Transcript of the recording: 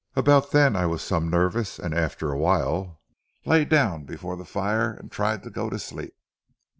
About then I was some nervous, and after a while lay down before the fire and tried to go to sleep.